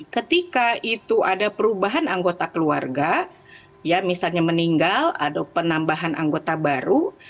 ketika itu ada perubahan anggota keluarga ya misalnya meninggal ada penambahan anggota baru